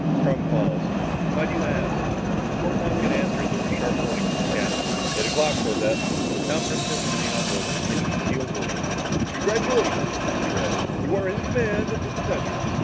Strong paused. "Why do you ask?" Before Tom could answer, there was a sharp warning from the captain. "Eight o'clock, Corbett!" Tom ripped open the envelope containing the sealed orders. "Congratulations," he read. "You are in command of the defenders.